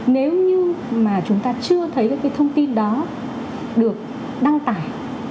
nếu như mà chúng ta chưa thấy các cái thông tin đó được đăng tải